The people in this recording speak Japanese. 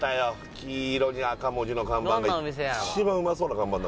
黄色に赤文字の看板が一番うまそうな看板だ